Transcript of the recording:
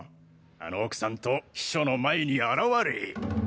あの奥さんと秘書の前に現れ。